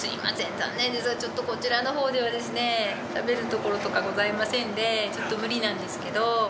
残念ですがちょっとこちらのほうでは食べる所とかございませんでちょっと無理なんですけど。